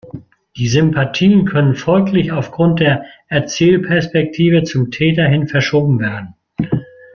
Die Sympathien können folglich aufgrund der Erzählperspektive zum Täter hin verschoben werden.